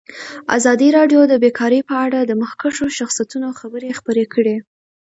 ازادي راډیو د بیکاري په اړه د مخکښو شخصیتونو خبرې خپرې کړي.